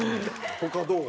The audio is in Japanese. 他どう？